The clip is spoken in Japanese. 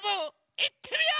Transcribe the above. いってみよう！